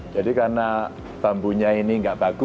jadi karena bambunya ini enggak bagus gitu ya